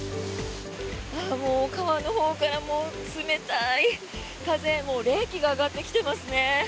もう川のほうから冷たい風、冷気が上がってきてますね。